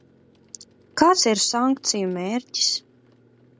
Kāds ir sankciju mērķis?